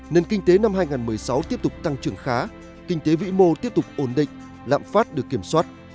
nền kinh tế năm hai nghìn một mươi sáu tiếp tục tăng trưởng khá kinh tế vĩ mô tiếp tục ổn định lạm phát được kiểm soát